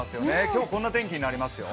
今日、こんな天気になりますよ。